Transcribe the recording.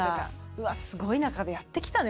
うわっすごい中でやってきたね